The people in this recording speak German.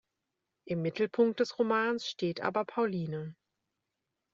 Im Mittelpunkt des Romans steht aber Pauline.